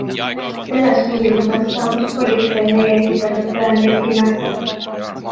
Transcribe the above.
Selles küsimuses saab just politsei meie esitatud tõendeid hinnata.